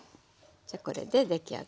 じゃこれで出来上がりです。